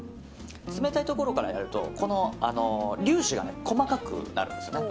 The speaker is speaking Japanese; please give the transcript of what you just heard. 冷たいところからやると粒子が細かくなるんですよね。